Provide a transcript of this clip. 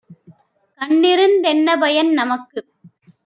கண்ணிருந் தென்னபயன்? - நமக்குக்